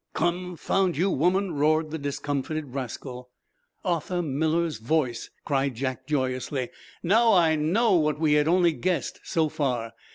"Confound you, woman!" roared the discomfited rascal. "Arthur Miller's voice!" cried Jack, joyously. "Now, I know what we had only guessed so far!